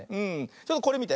ちょっとこれみて。